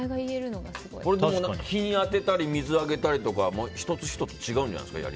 日に当てたりとか水あげたりとか１つ１つ違うんじゃないですか？